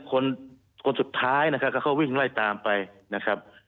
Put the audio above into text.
คนคนสุดท้ายนะครับก็เขาวิ่งไล่ตามไปนะครับ